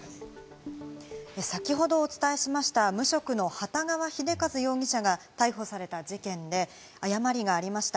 先ほどお伝えしました無職の幟川秀一容疑者が逮捕された事件で、誤りがありました。